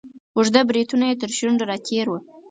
اوږده بریتونه یې تر شونډو را تیر وه.